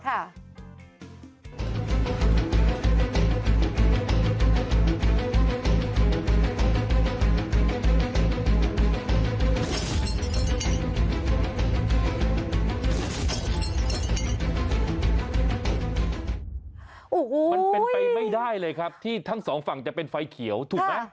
โอ้โหมันเป็นไปไม่ได้เลยครับที่ทั้งสองฝั่งจะเป็นไฟเขียวถูกไหม